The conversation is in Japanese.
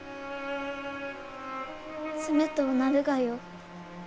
冷とうなるがよ。